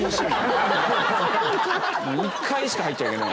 １回しか入っちゃいけない。